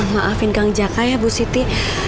maafin kang jaka ya bu siti